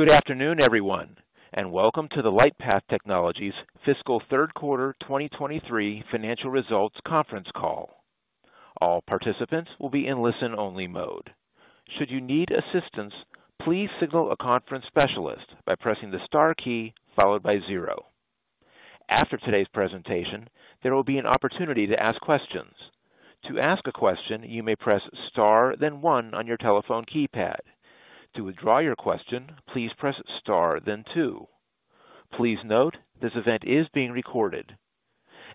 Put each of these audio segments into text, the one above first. Good afternoon, everyone, and welcome to the LightPath Technologies Fiscal Q3 2023 financial results conference call. All participants will be in listen-only mode. Should you need assistance, please signal a conference specialist by pressing the star key followed by zero. After today's presentation, there will be an opportunity to ask questions. To ask a question, you may press star then one on your telephone keypad. To withdraw your question, please press star then two. Please note, this event is being recorded.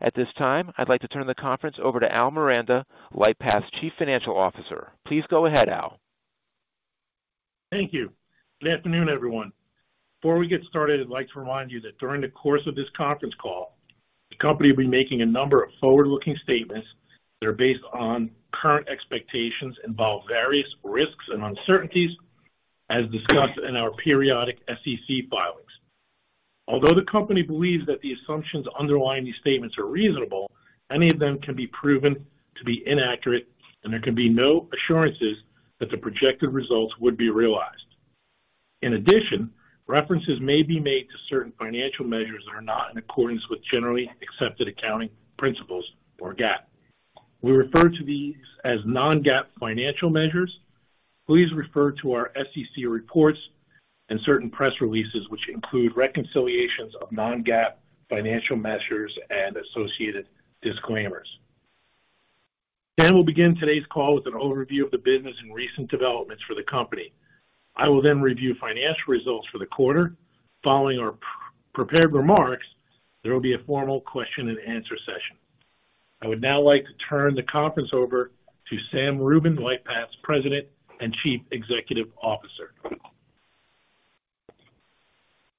At this time, I'd like to turn the conference over to Albert Miranda, LightPath's Chief Financial Officer. Please go ahead, Al. Thank you. Good afternoon, everyone. Before we get started, I'd like to remind you that during the course of this conference call, the company will be making a number of forward-looking statements that are based on current expectations, involve various risks and uncertainties, as discussed in our periodic SEC filings. Although the company believes that the assumptions underlying these statements are reasonable, any of them can be proven to be inaccurate, and there can be no assurances that the projected results would be realized. In addition, references may be made to certain financial measures that are not in accordance with generally accepted accounting principles or GAAP. We refer to these as non-GAAP financial measures. Please refer to our SEC reports and certain press releases, which include reconciliations of non-GAAP financial measures and associated disclaimers. Dan will begin today's call with an overview of the business and recent developments for the company. I will then review financial results for the quarter. Following our prepared remarks, there will be a formal question and answer session. I would now like to turn the conference over to Sam Rubin, LightPath's President and Chief Executive Officer.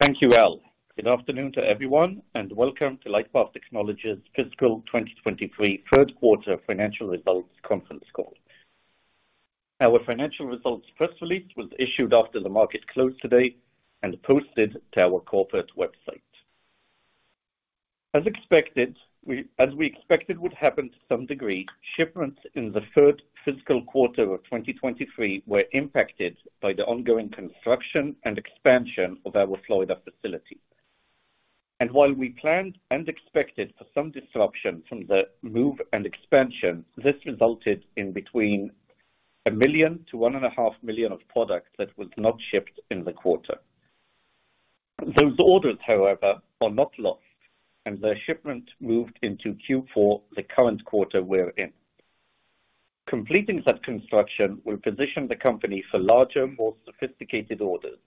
Thank you, Al. Good afternoon to everyone, welcome to LightPath Technologies' Fiscal 2023 Q3 financial results conference call. Our financial results press release was issued after the market closed today and posted to our corporate website. As we expected would happen, to some degree, shipments in the third fiscal quarter of 2023 were impacted by the ongoing construction and expansion of our Florida facility. While we planned and expected for some disruption from the move and expansion, this resulted in between $1 million-$1.5 million of product that was not shipped in the quarter. Those orders, however, are not lost, and their shipment moved into Q4, the current quarter we're in. Completing that construction will position the company for larger, more sophisticated orders,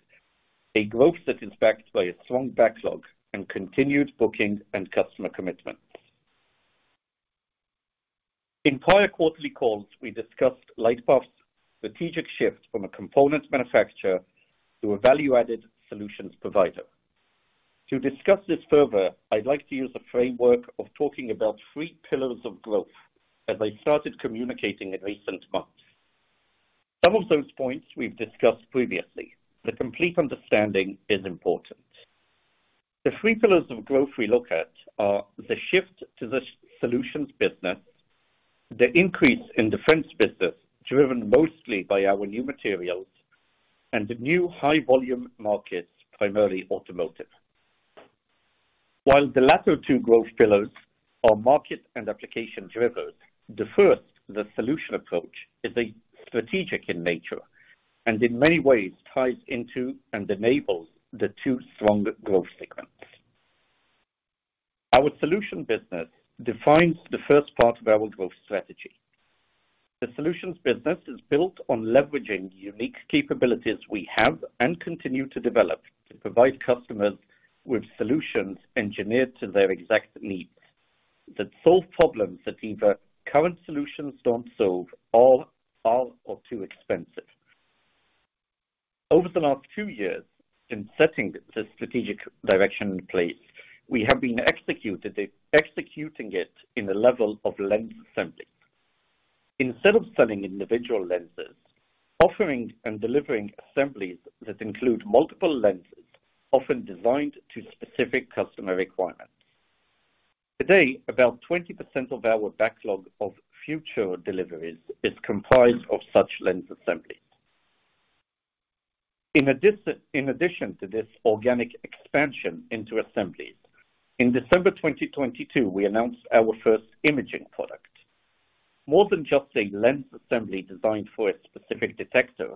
a growth that is backed by a strong backlog and continued booking and customer commitments. In prior quarterly calls, we discussed LightPath's strategic shift from a components manufacturer to a value-added solutions provider. To discuss this further, I'd like to use a framework of talking about three pillars of growth as I started communicating in recent months. Some of those points we've discussed previously. The complete understanding is important. The three pillars of growth we look at are the shift to the solutions business, the increase in defense business, driven mostly by our new materials, and the new high volume markets, primarily automotive. While the latter two growth pillars are market and application-driven, the first, the solution approach, is strategic in nature, and in many ways ties into and enables the two stronger growth segments. Our solution business defines the first part of our growth strategy. The solutions business is built on leveraging unique capabilities we have and continue to develop to provide customers with solutions engineered to their exact needs that solve problems that either current solutions don't solve or are too expensive. Over the last two years, in setting the strategic direction in place, we have been executing it at the level of lens assembly. Instead of selling individual lenses, offering and delivering assemblies that include multiple lenses, often designed to specific customer requirements. Today, about 20% of our backlog of future deliveries is comprised of such lens assembly. In addition to this organic expansion into assemblies, in December 2022, we announced our first imaging product. More than just a lens assembly designed for a specific detector,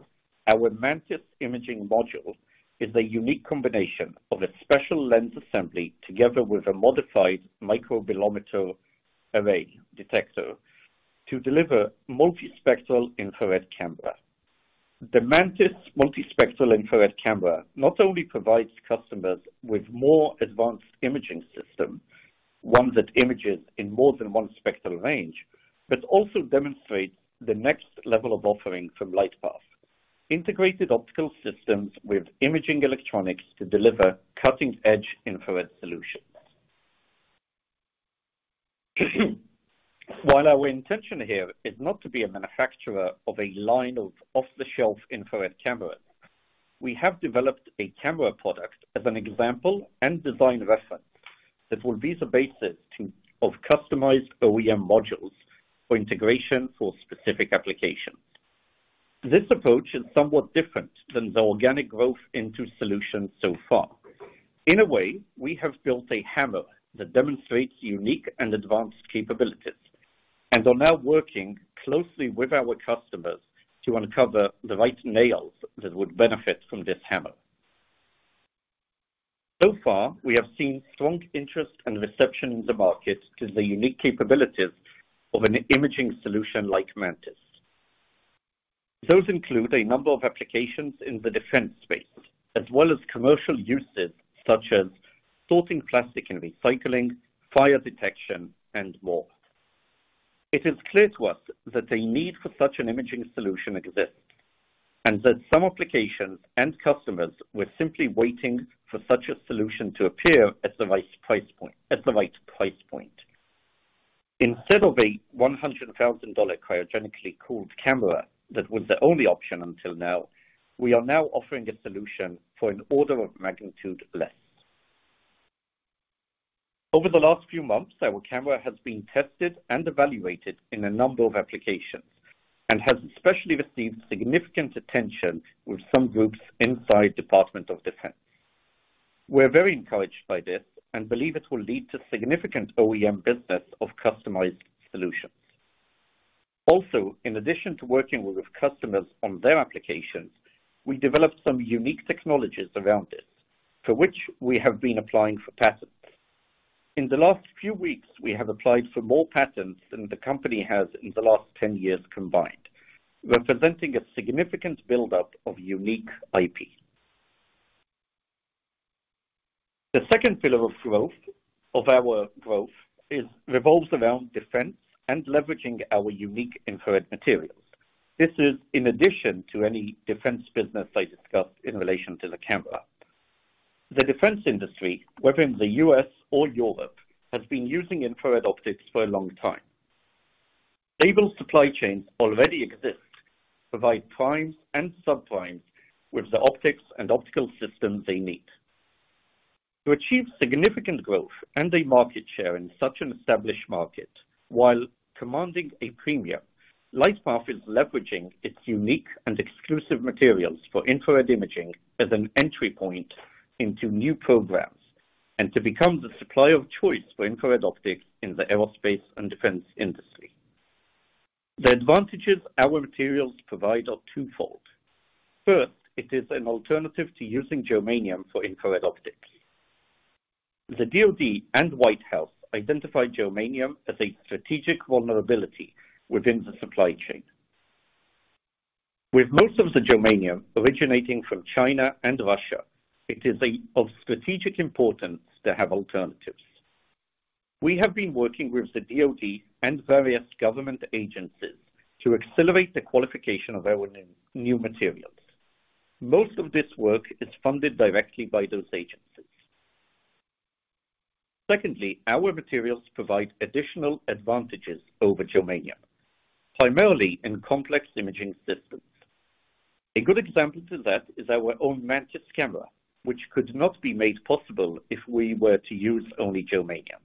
our Mantis imaging module is a unique combination of a special lens assembly together with a modified microbolometer array detector to deliver multispectral infrared camera. The Mantis multispectral infrared camera not only provides customers with more advanced imaging system, one that images in more than one spectral range, but also demonstrates the next level of offering from LightPath, integrated optical systems with imaging electronics to deliver cutting-edge infrared solutions. While our intention here is not to be a manufacturer of a line of off-the-shelf infrared cameras, we have developed a camera product as an example and design reference. That will be the basis of customized OEM modules for integration for specific application. This approach is somewhat different than the organic growth into solutions so far. In a way, we have built a hammer that demonstrates unique and advanced capabilities, and are now working closely with our customers to uncover the right nails that would benefit from this hammer. So far, we have seen strong interest and reception in the market to the unique capabilities of an imaging solution like Mantis. Those include a number of applications in the defense space, as well as commercial uses such as sorting plastic and recycling, fire detection, and more. It is clear to us that a need for such an imaging solution exists, and that some applications and customers were simply waiting for such a solution to appear at the right price point. Instead of a $100,000 cryogenically cooled camera that was the only option until now, we are now offering a solution for an order of magnitude less. Over the last few months, our camera has been tested and evaluated in a number of applications, and has especially received significant attention with some groups inside Department of Defense. We're very encouraged by this and believe it will lead to significant OEM business of customized solutions. In addition to working with customers on their applications, we developed some unique technologies around it, for which we have been applying for patents. In the last few weeks, we have applied for more patents than the company has in the last 10 years combined, representing a significant buildup of unique IP. The second pillar of our growth revolves around defense and leveraging our unique infrared materials. This is in addition to any defense business I discussed in relation to the camera. The defense industry, whether in the U.S. or Europe, has been using infrared optics for a long time. Stable supply chains already exist to provide primes and subprimes with the optics and optical systems they need. To achieve significant growth and a market share in such an established market while commanding a premium, LightPath is leveraging its unique and exclusive materials for infrared imaging as an entry point into new programs, to become the supplier of choice for infrared optics in the aerospace and defense industry. The advantages our materials provide are twofold. First, it is an alternative to using germanium for infrared optics. The DoD and White House identified germanium as a strategic vulnerability within the supply chain. With most of the germanium originating from China and Russia, it is of strategic importance to have alternatives. We have been working with the DoD and various government agencies to accelerate the qualification of our new materials. Most of this work is funded directly by those agencies. Secondly, our materials provide additional advantages over germanium, primarily in complex imaging systems. A good example to that is our own Mantis camera, which could not be made possible if we were to use only germanium.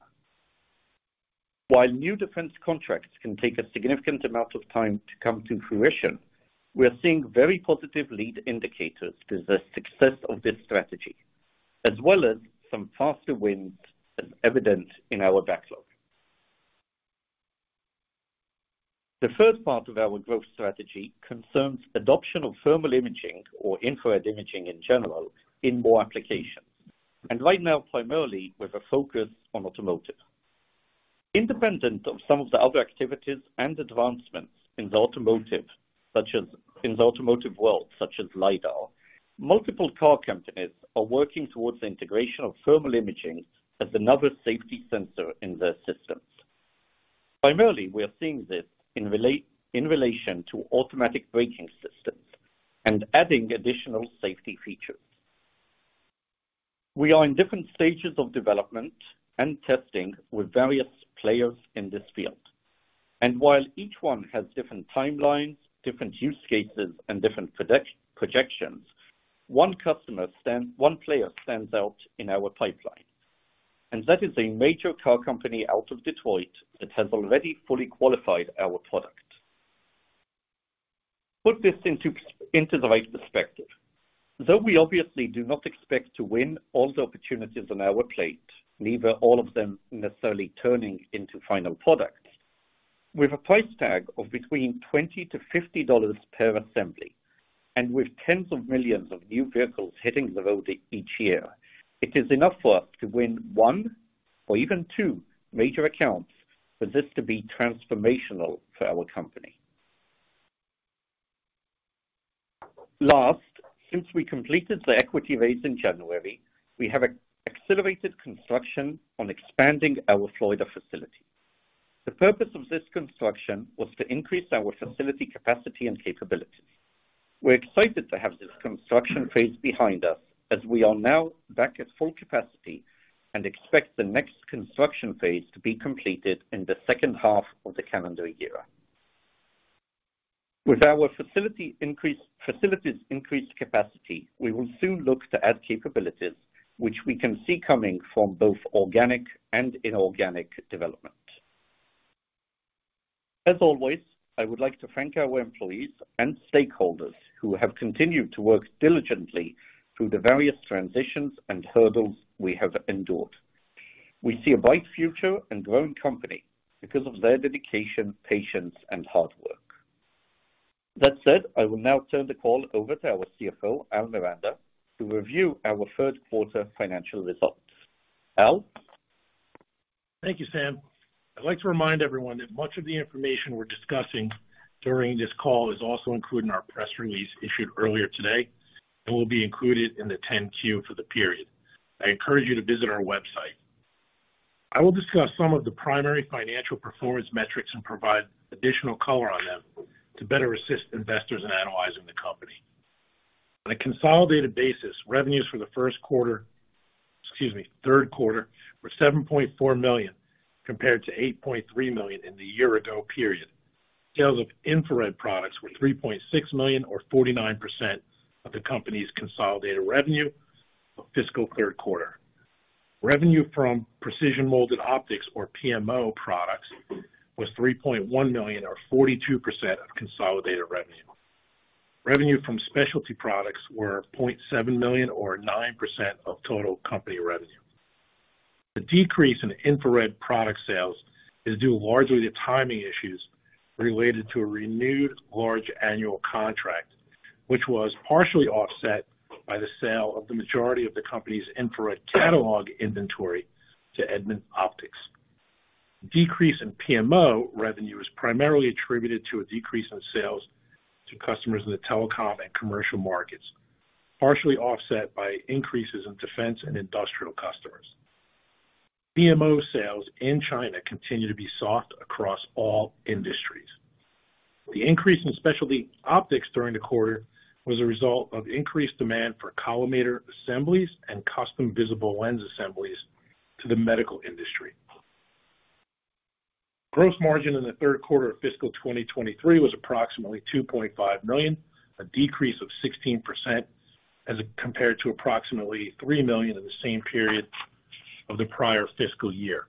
While new defense contracts can take a significant amount of time to come to fruition, we are seeing very positive lead indicators to the success of this strategy, as well as some faster wins, as evident in our backlog. The first part of our growth strategy concerns adoption of thermal imaging or infrared imaging in general in more applications, and right now primarily with a focus on automotive. Independent of some of the other activities and advancements in the automotive, such as in the automotive world, such as LIDAR, multiple car companies are working towards the integration of thermal imaging as another safety sensor in their systems. Primarily, we are seeing this in relation to automatic braking systems and adding additional safety features. We are in different stages of development and testing with various players in this field. While each one has different timelines, different use cases, and different projections, one player stands out in our pipeline. That is a major car company out of Detroit that has already fully qualified our product. Put this into the right perspective. Though we obviously do not expect to win all the opportunities on our plate, neither all of them necessarily turning into final products. With a price tag of between $20-$50 per assembly, and with tens of millions of new vehicles hitting the road each year, it is enough for us to win one or even two major accounts for this to be transformational for our company. Last, since we completed the equity raise in January, we have accelerated construction on expanding our Florida facility. The purpose of this construction was to increase our facility capacity and capabilities. We're excited to have this construction phase behind us as we are now back at full capacity and expect the next construction phase to be completed in the second half of the calendar year. With our facility's increased capacity, we will soon look to add capabilities which we can see coming from both organic and inorganic development. As always, I would like to thank our employees and stakeholders who have continued to work diligently through the various transitions and hurdles we have endured. We see a bright future and growing company because of their dedication, patience, and hard work. That said, I will now turn the call over to our CFO, Albert Miranda, to review our Q3 financial results. Al? Thank you, Sam. I'd like to remind everyone that much of the information we're discussing during this call is also included in our press release issued earlier today and will be included in the 10-Q for the period. I encourage you to visit our website. I will discuss some of the primary financial performance metrics and provide additional color on them to better assist investors in analyzing the company. On a consolidated basis, revenues for the Q1, excuse me, Q3, were $7.4 million, compared to $8.3 million in the year-ago period. Sales of infrared products were $3.6 million or 49% of the company's consolidated revenue for fiscal Q3. Revenue from precision molded optics, or PMO products, was $3.1 million, or 42% of consolidated revenue. Revenue from specialty products were $0.7 million or 9% of total company revenue. The decrease in infrared product sales is due largely to timing issues related to a renewed large annual contract, which was partially offset by the sale of the majority of the company's infrared catalog inventory to Edmund Optics. Decrease in PMO revenue is primarily attributed to a decrease in sales to customers in the telecom and commercial markets, partially offset by increases in defense and industrial customers. PMO sales in China continue to be soft across all industries. The increase in specialty optics during the quarter was a result of increased demand for collimator assemblies and custom visible lens assemblies to the medical industry. Gross margin in the Q3 of fiscal 2023 was approximately $2.5 million, a decrease of 16% as compared to approximately $3 million in the same period of the prior fiscal year.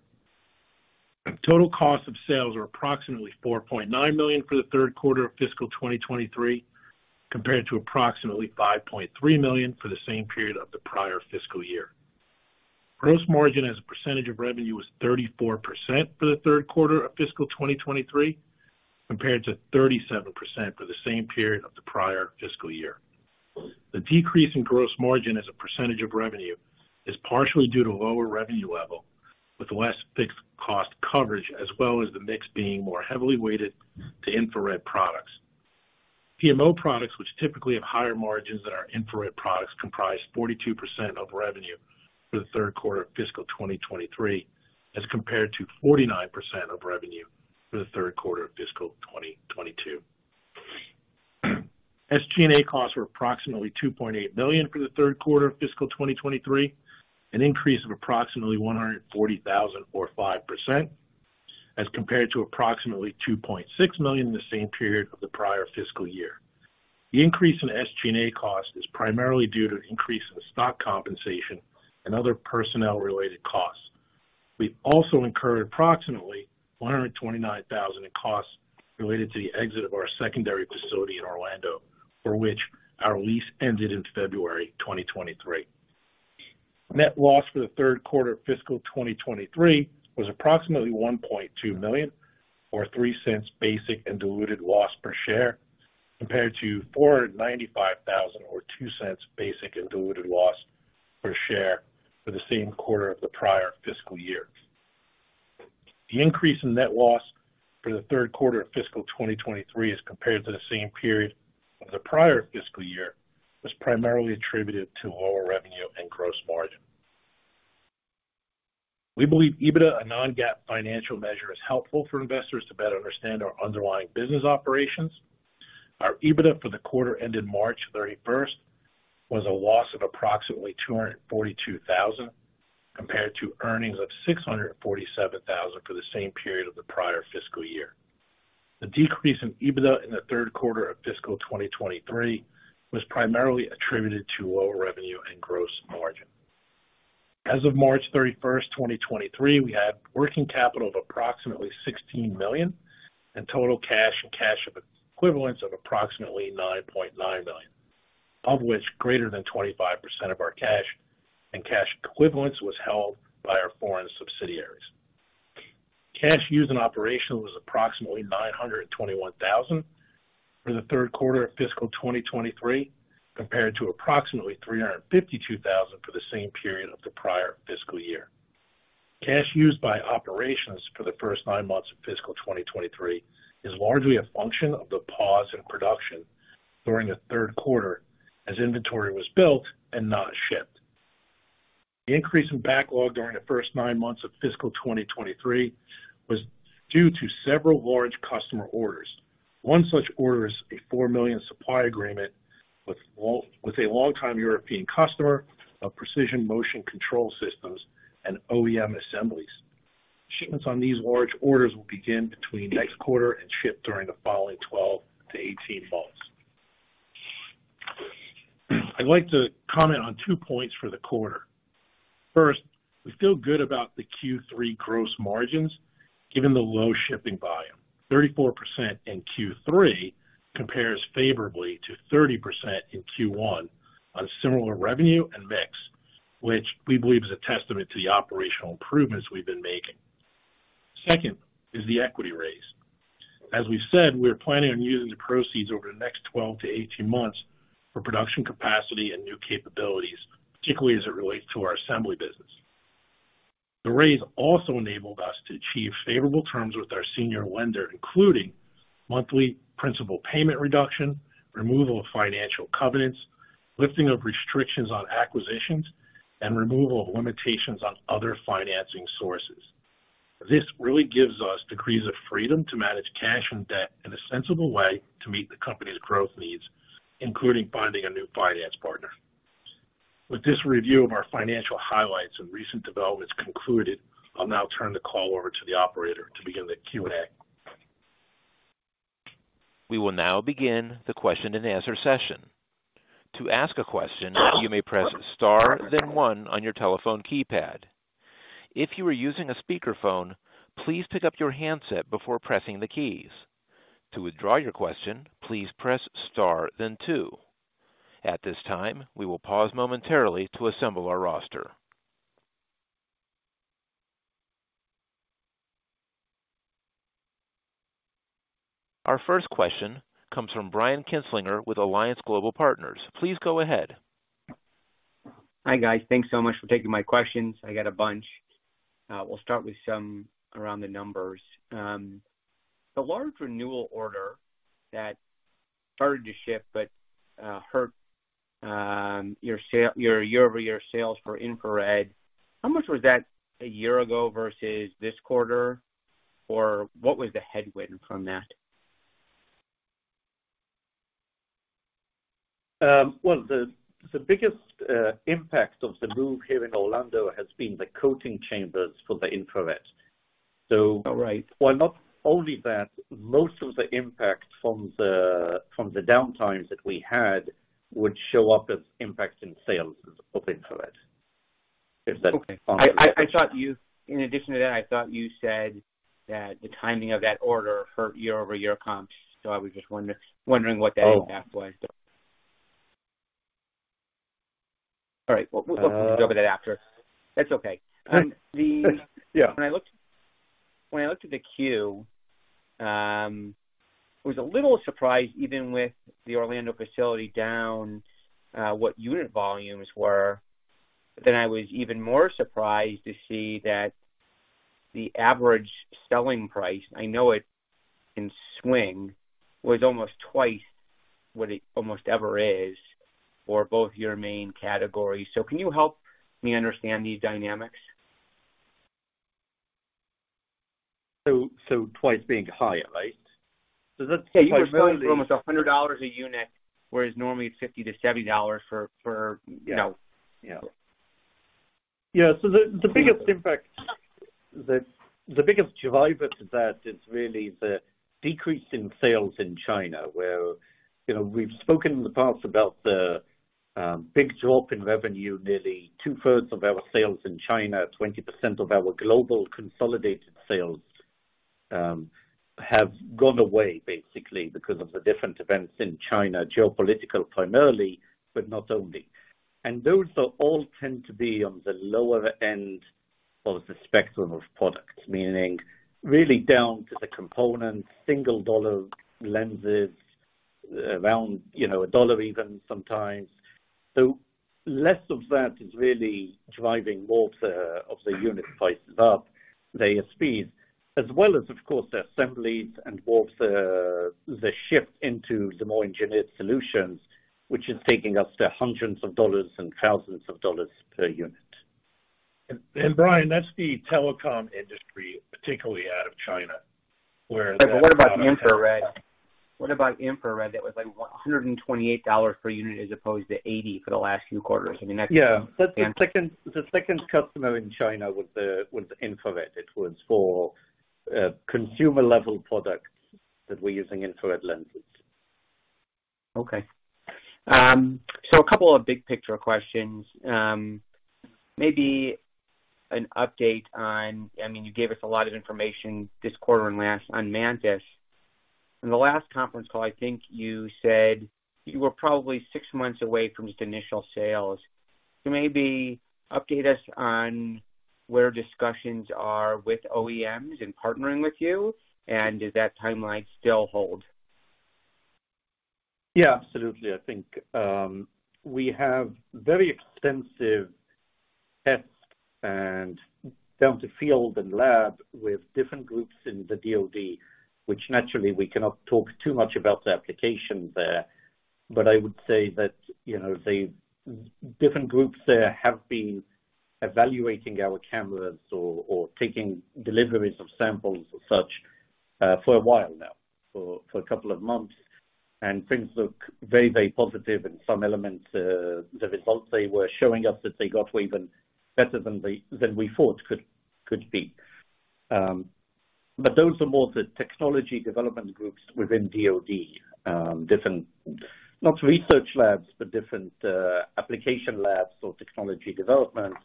Total cost of sales were approximately $4.9 million for the Q3 of fiscal 2023, compared to approximately $5.3 million for the same period of the prior fiscal year. Gross margin as a percentage of revenue was 34% for the Q3 of fiscal 2023, compared to 37% for the same period of the prior fiscal year. The decrease in gross margin as a percentage of revenue is partially due to lower revenue level with less fixed cost coverage, as well as the mix being more heavily weighted to infrared products. PMO products, which typically have higher margins than our infrared products, comprised 42% of revenue for the Q3 of fiscal 2023, as compared to 49% of revenue for the Q3 of fiscal 2022. SG&A costs were approximately $2.8 million for the Q3 of fiscal 2023, an increase of approximately $140,000 or 5%, as compared to approximately $2.6 million in the same period of the prior fiscal year. The increase in SG&A cost is primarily due to increase in stock compensation and other personnel-related costs. We also incurred approximately $129,000 in costs related to the exit of our secondary facility in Orlando, for which our lease ended in February 2023. Net loss for the Q3 of fiscal 2023 was approximately $1.2 million, or $0.03 basic and diluted loss per share, compared to $495,000 or $0.02 basic and diluted loss per share for the same quarter of the prior fiscal year. The increase in net loss for the Q3 of fiscal 2023 as compared to the same period of the prior fiscal year was primarily attributed to lower revenue and gross margin. We believe EBITDA, a non-GAAP financial measure, is helpful for investors to better understand our underlying business operations. Our EBITDA for the quarter ended March 31, 2023 was a loss of approximately $242,000, compared to earnings of $647,000 for the same period of the prior fiscal year. The decrease in EBITDA in the Q3 of fiscal 2023 was primarily attributed to lower revenue and gross margin. As of March 31, 2023, we had working capital of approximately $16 million and total cash and cash equivalents of approximately $9.9 million, of which greater than 25% of our cash and cash equivalents was held by our foreign subsidiaries. Cash used in operations was approximately $921,000 for the Q3 of fiscal 2023, compared to approximately $352,000 for the same period of the prior fiscal year. Cash used by operations for the first nine months of fiscal 2023 is largely a function of the pause in production during the Q3 as inventory was built and not shipped. The increase in backlog during the first nine months of fiscal 2023 was due to several large customer orders. One such order is a $4 million supply agreement with a long-time European customer of precision motion control systems and OEM assemblies. Shipments on these large orders will begin between next quarter and ship during the following 12 to 18 months. I'd like to comment on two points for the quarter. First, we feel good about the Q3 gross margins given the low shipping volume. 34% in Q3 compares favorably to 30% in Q1 on similar revenue and mix, which we believe is a testament to the operational improvements we've been making. Second is the equity raise. As we've said, we're planning on using the proceeds over the next 12-18 months for production capacity and new capabilities, particularly as it relates to our assembly business. The raise also enabled us to achieve favorable terms with our senior lender, including monthly principal payment reduction, removal of financial covenants, lifting of restrictions on acquisitions, and removal of limitations on other financing sources. This really gives us degrees of freedom to manage cash and debt in a sensible way to meet the company's growth needs, including finding a new finance partner. With this review of our financial highlights and recent developments concluded, I'll now turn the call over to the operator to begin the Q&A. We will now begin the question-and-answer session. To ask a question, you may press star one on your telephone keypad. If you are using a speakerphone, please pick up your handset before pressing the keys. To withdraw your question, please press star two. At this time, we will pause momentarily to assemble our roster. Our first question comes from Brian Kinstlinger with Alliance Global Partners. Please go ahead. Hi, guys. Thanks so much for taking my questions. I got a bunch. We'll start with some around the numbers. The large renewal order that started to ship but hurt your year-over-year sales for infrared. How much was that a year ago versus this quarter? What was the headwind from that? Well, the biggest impact of the move here in Orlando has been the coating chambers for the infrared. All right. Well, not only that, most of the impact from the downtimes that we had would show up as impacts in sales of infrared. In addition to that, I thought you said that the timing of that order hurt year-over-year comps. I was just wondering what the impact was. Oh. All right. We can go over that after. That's okay. Yeah. When I looked at the 10-Q, I was a little surprised, even with the Orlando facility down, what unit volumes were. I was even more surprised to see that the average selling price, I know it can swing, was almost twice what it almost ever is for both your main categories. Can you help me understand these dynamics? Twice being higher, right? Let's say. You were selling for almost $100 a unit, whereas normally it's $50-$70 for. Yeah. You know? Yeah. The biggest impact, the biggest driver to that is really the decrease in sales in China, where, you know, we've spoken in the past about the big drop in revenue. Nearly 2/3 of our sales in China, 20% of our global consolidated sales, have gone away basically because of the different events in China, geopolitical primarily, but not only. Those are all tend to be on the lower end of the spectrum of products, meaning really down to the components, single dollar lenses around, you know, $1 even sometimes. Less of that is really driving more the, of the unit prices up layer speeds, as well as, of course, the assemblies and more the shift into the more engineered solutions, which is taking us to hundreds of dollars and thousands of dollars per unit. Brian, that's the telecom industry, particularly out of China. What about infrared? What about infrared that was, like, $128 per unit as opposed to $80 for the last few quarters? I mean. Yeah. That's the second customer in China with the infrared. It was for consumer level products that were using infrared lenses. Okay. A couple of big picture questions. Maybe an update on I mean, you gave us a lot of information this quarter and last on Mantis. In the last conference call, I think you said you were probably six months away from just initial sales. Maybe update us on where discussions are with OEMs in partnering with you, and does that timeline still hold? Yeah, absolutely. I think, we have very extensive tests and down to field and lab with different groups in the DoD, which naturally we cannot talk too much about the application there. I would say that, you know, the different groups there have been evaluating our cameras or taking deliveries of samples or such, for a while now, for a couple of months. Things look very, very positive in some elements. The results they were showing us that they got were even better than we thought could be. Those are more the technology development groups within DoD, different, not research labs, but different, application labs or technology development.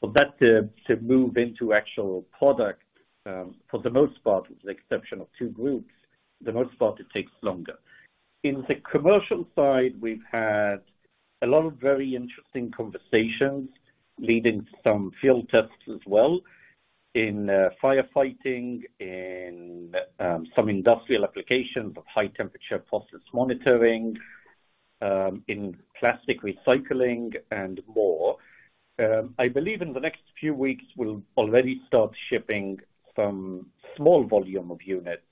For that to move into actual product, for the most part, with the exception of two groups, it takes longer. In the commercial side, we've had a lot of very interesting conversations leading to some field tests as well in firefighting, in some industrial applications of high temperature process monitoring, in plastic recycling and more. I believe in the next few weeks we'll already start shipping some small volume of units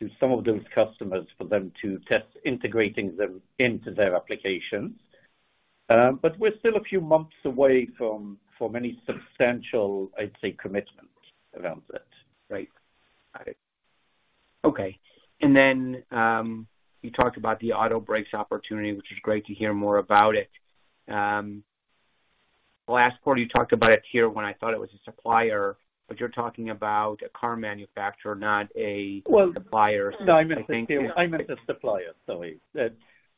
to some of those customers for them to test integrating them into their applications. We're still a few months away from any substantial, I'd say, commitment around that. Right. Got it. Okay. Then, you talked about the auto brakes opportunity, which is great to hear more about it. Last quarter you talked about it here when I thought it was a supplier, but you're talking about a car manufacturer, not. Well- -supplier. No, I meant a supplier. Sorry.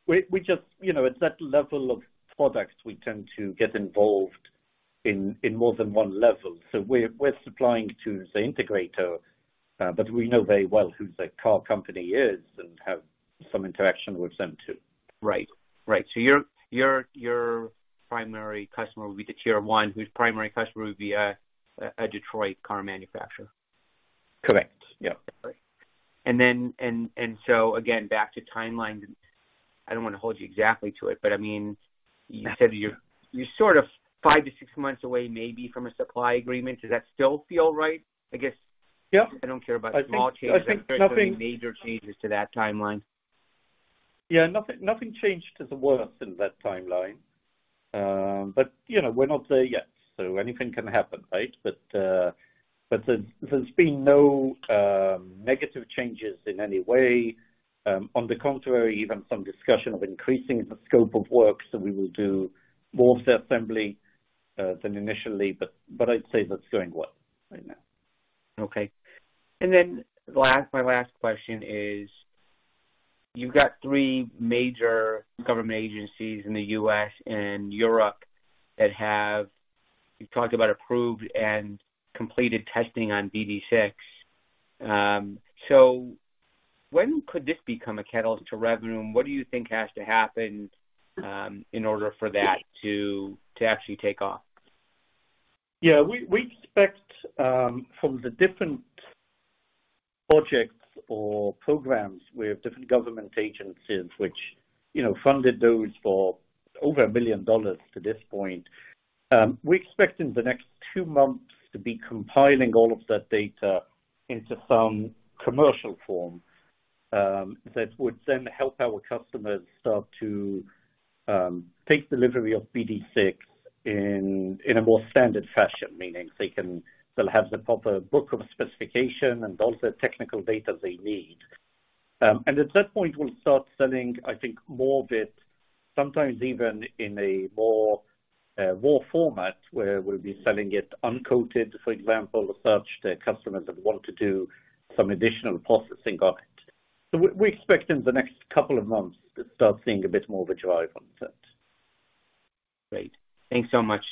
We just, you know, at that level of products, we tend to get involved in more than one level. We're supplying to the integrator, but we know very well who the car company is and have some interaction with them too. Right. Right. Your primary customer will be the tier one, whose primary customer would be a Detroit car manufacturer. Correct. Yeah. Right. Again, back to timelines, I don't wanna hold you exactly to it, I mean, you said you're sort of five to six months away, maybe from a supply agreement. Does that still feel right? Yeah. I don't care about small changes. I think Major changes to that timeline. Yeah. Nothing changed to the worst in that timeline. You know, we're not there yet, so anything can happen, right? There's been no negative changes in any way. On the contrary, even some discussion of increasing the scope of work. We will do more of the assembly than initially, but I'd say that's going well right now. Okay. My last question is, you've got three major government agencies in the U.S. and Europe that you've talked about approved and completed testing on BD6. When could this become a catalyst to revenue, and what do you think has to happen in order for that to actually take off? Yeah. We expect from the different projects or programs with different government agencies which, you know, funded those for over $1 billion to this point. We expect in the next two months to be compiling all of that data into some commercial form that would then help our customers start to take delivery of BD6 in a more standard fashion. Meaning they'll have the proper book of specification and all the technical data they need. And at that point we'll start selling, I think, more of it, sometimes even in a more raw format, where we'll be selling it uncoated, for example, such that customers that want to do some additional processing of it. We expect in the next couple of months to start seeing a bit more of a drive on that. Great. Thanks so much.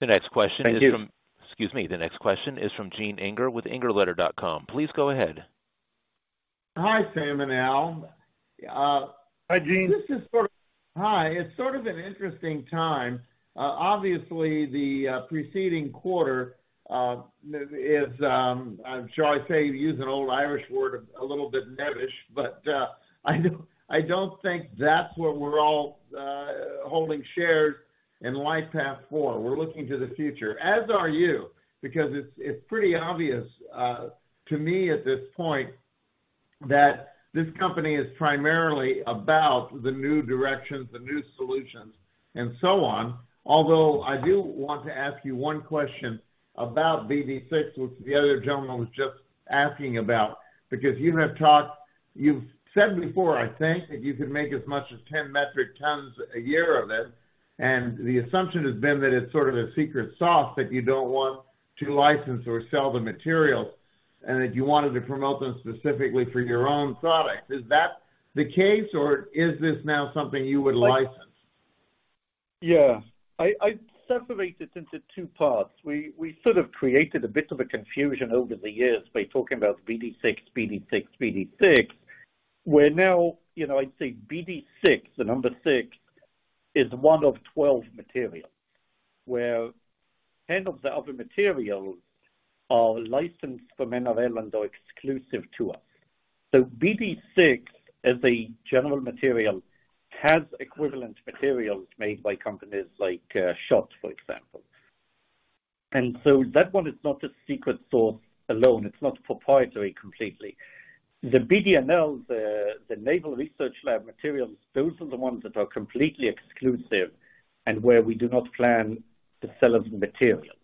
The next question is from. Thank you. Excuse me. The next question is from Gene Inger with ingerletter.com. Please go ahead. Hi, Sam and Al. Hi, Gene. This is sort of. Hi. It's sort of an interesting time. Obviously the preceding quarter is, I'm sure I say, to use an old Irish word, a little bit nebbish, but I don't think that's where we're all holding shares in LightPath for. We're looking to the future, as are you, because it's pretty obvious to me at this point that this company is primarily about the new directions, the new solutions and so on. I do want to ask you one question about BD6, which the other gentleman was just asking about. You've said before, I think, that you could make as much as 10 metric tons a year of it. The assumption has been that it's sort of a secret sauce that you don't want to license or sell the material, and that you wanted to promote them specifically for your own products. Is that the case or is this now something you would license? Yeah. I separated into two parts. We, we sort of created a bit of a confusion over the years by talking about BD6, where now, you know, I'd say BD6, the number six is one of 12 materials. Where 10 of the other materials are licensed for Umicore or exclusive to us. BD6 as a general material has equivalent materials made by companies like Schott AG, for example. That one is not a secret sauce alone. It's not proprietary completely. The BDNL, the Naval Research Laboratory materials, those are the ones that are completely exclusive and where we do not plan to sell as material.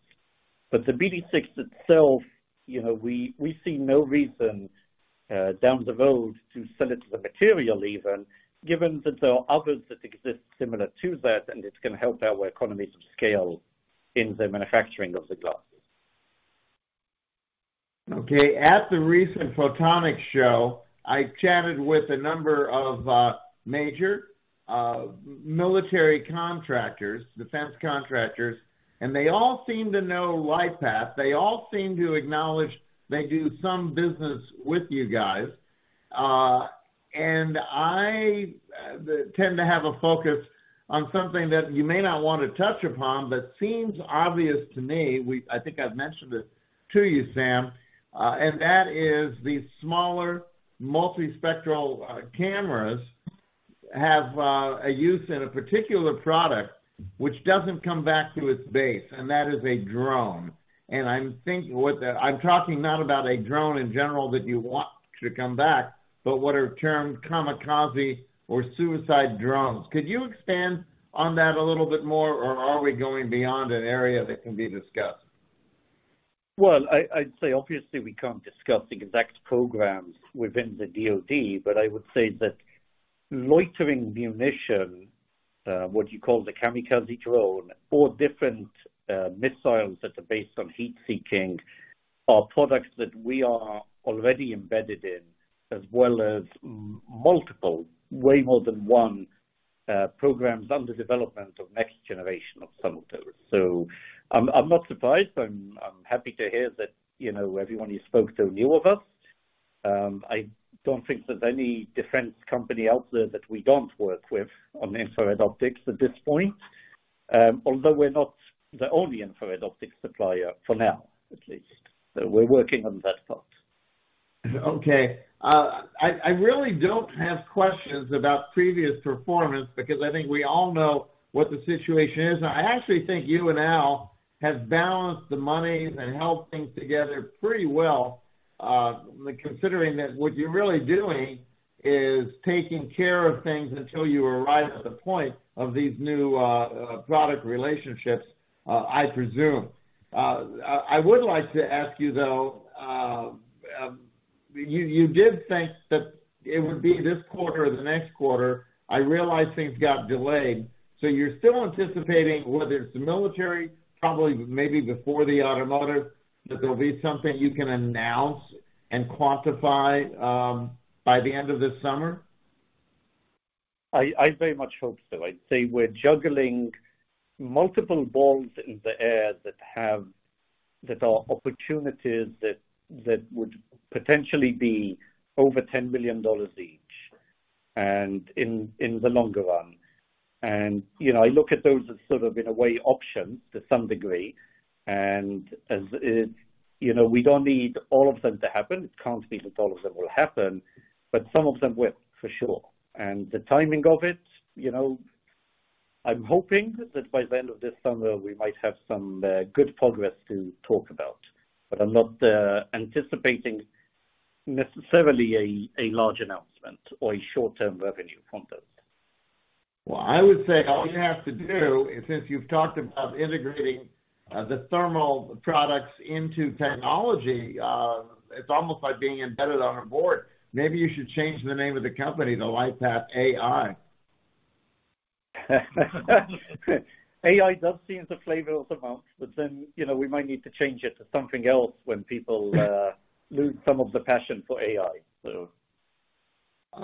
The BD6 itself, you know, we see no reason down the road to sell it to the material even given that there are others that exist similar to that, and it's gonna help our economies of scale in the manufacturing of the glasses. Okay. At the recent Photonics West, I chatted with a number of major military contractors, defense contractors, and they all seem to know LightPath. They all seem to acknowledge they do some business with you guys. I tend to have a focus on something that you may not wanna touch upon, but seems obvious to me. I think I've mentioned it to you, Sam, that is these smaller multi-spectral cameras have a use in a particular product which doesn't come back to its base, and that is a drone. I'm talking not about a drone in general that you want to come back, but what are termed kamikaze or suicide drones. Could you expand on that a little bit more, or are we going beyond an area that can be discussed? I'd say obviously we can't discuss the exact programs within the DoD, but I would say that loitering munition, what you call the kamikaze drone or different missiles that are based on heat-seeking are products that we are already embedded in, as well as multiple, way more than one, programs under development of next generation of some of those. I'm not surprised. I'm happy to hear that, you know, everyone you spoke to knew of us. I don't think there's any defense company out there that we don't work with on infrared optics at this point. Although we're not the only infrared optics supplier for now, at least. We're working on that part. Okay. I really don't have questions about previous performance because I think we all know what the situation is. I actually think you and Al have balanced the money and held things together pretty well, considering that what you're really doing is taking care of things until you arrive at the point of these new product relationships, I presume. I would like to ask you though, you did think that it would be this quarter or the next quarter. I realize things got delayed. You're still anticipating whether it's the military, probably maybe before the automotive, that there'll be something you can announce and quantify by the end of this summer? I very much hope so. I'd say we're juggling multiple balls in the air that are opportunities that would potentially be over $10 billion each in the longer run. You know, I look at those as sort of in a way option to some degree. You know, we don't need all of them to happen. It can't be that all of them will happen, but some of them will, for sure. The timing of it, you know, I'm hoping that by the end of this summer, we might have some good progress to talk about. I'm not anticipating necessarily a large announcement or a short-term revenue from those. Well, I would say all you have to do is, since you've talked about integrating, the thermal products into technology, it's almost like being embedded on a board. Maybe you should change the name of the company to LightPath AI. AI does seem the flavor of the month, but then, you know, we might need to change it to something else when people lose some of the passion for AI. Well,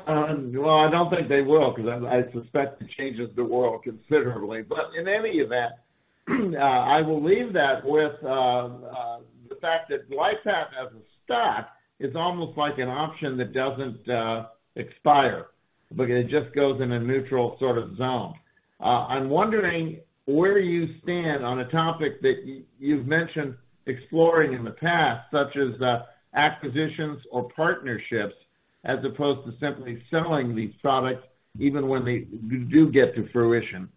I don't think they will because I suspect it changes the world considerably. In any event, I will leave that with the fact that LightPath as a stock is almost like an option that doesn't expire, but it just goes in a neutral sort of zone. I'm wondering where you stand on a topic that you've mentioned exploring in the past, such as acquisitions or partnerships, as opposed to simply selling these products even when they do get to fruition.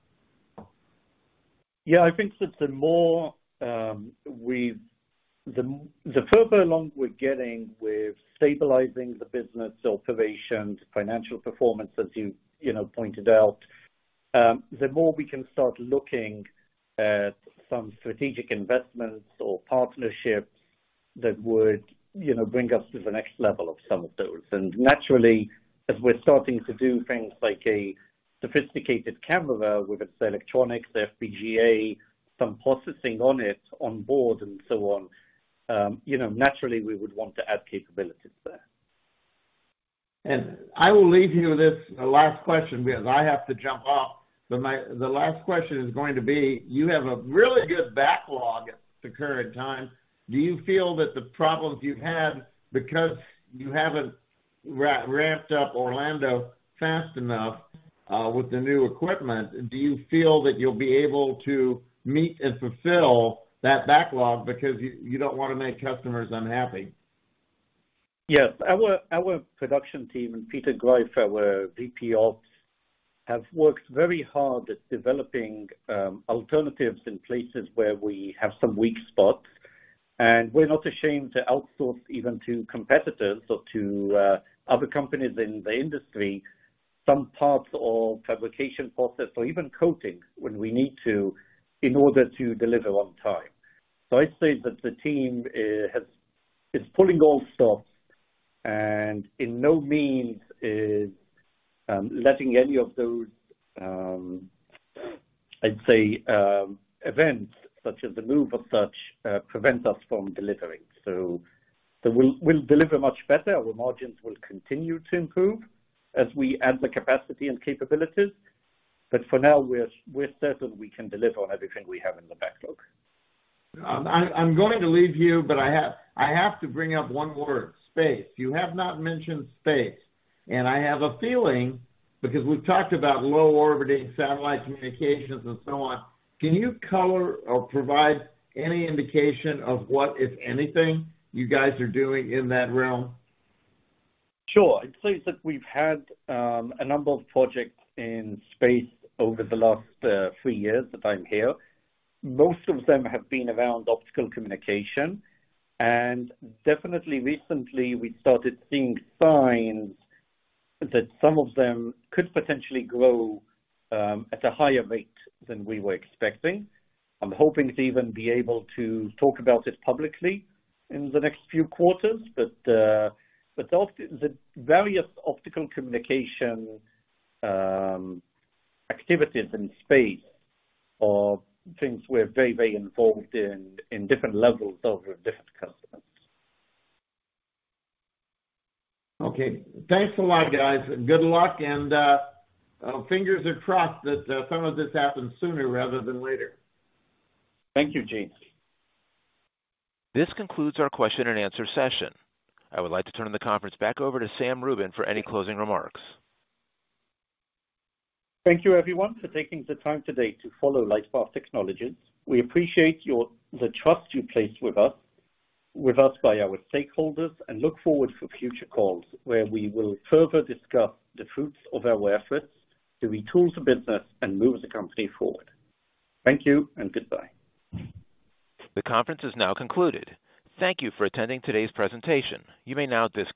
I think that the more, the further along we're getting with stabilizing the business operations, financial performance, as you know, pointed out, the more we can start looking at some strategic investments or partnerships that would, you know, bring us to the next level of some of those. Naturally, as we're starting to do things like a sophisticated camera with its electronics, FPGA, some processing on it on board and so on, you know, naturally we would want to add capabilities there. I will leave you this last question because I have to jump off. The last question is going to be, you have a really good backlog at the current time. Do you feel that the problems you've had because you haven't ramped up Orlando fast enough with the new equipment, do you feel that you'll be able to meet and fulfill that backlog because you don't wanna make customers unhappy? Yes. Our production team and Peter Greif, our VP, have worked very hard at developing alternatives in places where we have some weak spots, and we're not ashamed to outsource even to competitors or to other companies in the industry some parts or fabrication process or even coating when we need to in order to deliver on time. I'd say that the team is pulling all stops and in no means is letting any of those, I'd say, events such as the move of such prevent us from delivering. We'll deliver much better. Our margins will continue to improve as we add the capacity and capabilities. For now, we're certain we can deliver on everything we have in the backlog. I'm going to leave you, but I have to bring up one more space. You have not mentioned space, and I have a feeling because we've talked about low orbiting satellite communications and so on. Can you color or provide any indication of what, if anything, you guys are doing in that realm? Sure. I'd say that we've had a number of projects in space over the last three years that I'm here. Most of them have been around optical communication. Definitely recently we started seeing signs that some of them could potentially grow at a higher rate than we were expecting. I'm hoping to even be able to talk about it publicly in the next few quarters, but the various optical communication activities in space are things we're very, very involved in different levels of different customers. Okay. Thanks a lot, guys. Good luck, and fingers are crossed that some of this happens sooner rather than later. Thank you, Gene. This concludes our question and answer session. I would like to turn the conference back over to Sam Rubin for any closing remarks. Thank you everyone for taking the time today to follow LightPath Technologies. We appreciate the trust you placed with us by our stakeholders and look forward for future calls where we will further discuss the fruits of our efforts to retool the business and move the company forward. Thank you and goodbye. The conference is now concluded. Thank you for attending today's presentation. You may now disconnect.